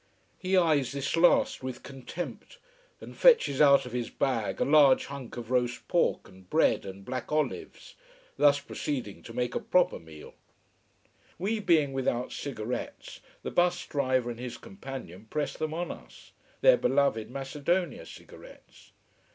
He eyes this last with contempt, and fetches out of his bag a large hunk of roast pork, and bread, and black olives, thus proceeding to make a proper meal. [Illustration: FONNI] We being without cigarettes, the bus driver and his companion press them on us: their beloved Macedonia cigarettes.